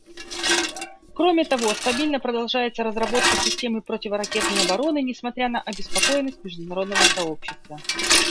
Кроме того, стабильно продолжается разработка системы противоракетной обороны, несмотря на обеспокоенность международного сообщества.